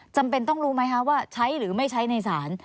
จำเป็นต้องรู้ไหมคะว่าใช้หรือไม่ใช้ในศาล